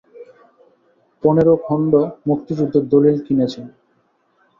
পনেরো খণ্ড মুক্তিযুদ্ধের দলিল কিনেছেন।